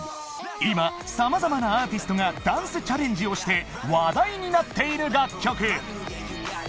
今さまざまなアーティストがダンスチャレンジをして話題になっている楽曲